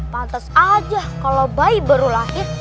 pantas aja kalau bayi baru lahir